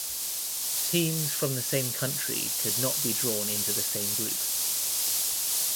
Teams from the same country could not be drawn into the same group.